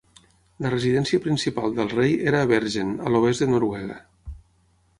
La residència principal del rei era a Bergen, a l'oest de Noruega.